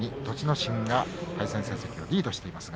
心が対戦成績リードしています。